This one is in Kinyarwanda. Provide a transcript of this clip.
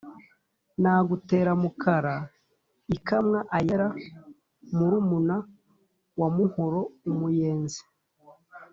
Nagutera Mukara ikamwa ayera murumuna wa Muhoro. Umuyenzi.